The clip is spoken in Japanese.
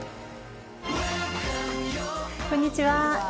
こんにちは。